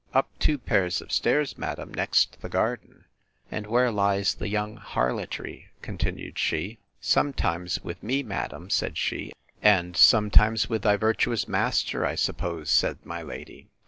Up two pair of stairs, madam, next the garden. And where lies the young harlotry? continued she. Sometimes with me, madam, said she. And sometimes with thy virtuous master, I suppose? said my lady.